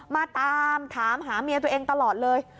มาตามถามหาเมียตัวเองตลอดเลย